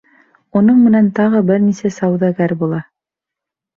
Уның менән тағы бер нисә сауҙагәр була.